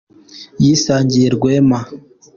Yisangiye rwema